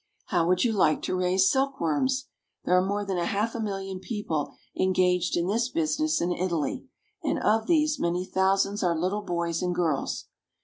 How would you like to raise silkworms? There are more than a half million people engaged in this business in Italy, and of these many thousands are little boys and girls.